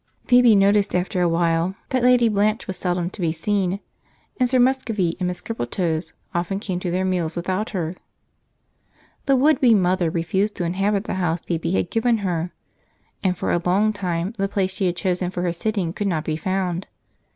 Phoebe noticed after a while that Lady Blanche was seldom to be seen, and Sir Muscovy and Miss Crippletoes often came to their meals without her. The would be mother refused to inhabit the house Phoebe had given her, and for a long time the place she had chosen for her sitting could not be found.